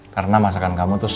karena masakan kamu tuh